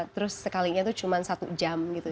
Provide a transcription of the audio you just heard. terus sekalinya itu cuma satu jam gitu